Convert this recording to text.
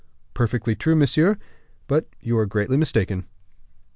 "Perfectly true, monsieur; but you are very greatly mistaken."